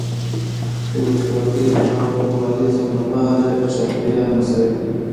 د ولسواکۍ او پلورالېزم لپاره چاپېریال مساعد دی.